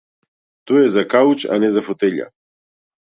Тој е за кауч, а не за фотеља.